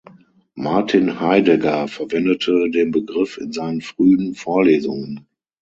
Martin Heidegger verwendete den Begriff in seinen frühen Vorlesungen.